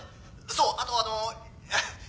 そうあとあのいや。